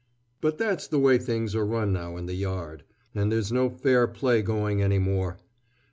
But that's the way things are run now in the Yard, and there's no fair play going any more.